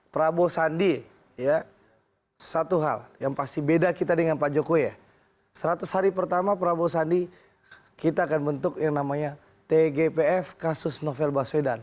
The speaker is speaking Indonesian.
prabowo sandi ya satu hal yang pasti beda kita dengan pak jokowi ya seratus hari pertama prabowo sandi kita akan bentuk yang namanya tgpf kasus novel baswedan